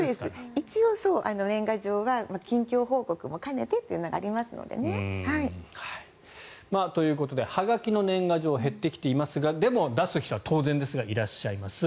一応、年賀状は近況報告も兼ねてというのがありますのでね。ということではがきの年賀状減ってきていますがでも、出す人は当然ですがいらっしゃいます。